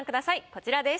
こちらです。